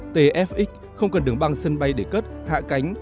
tf x không cần đường băng sân bay để cất hạ cánh